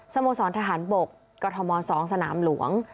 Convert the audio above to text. โมสรทหารบกม๒สนามหลวง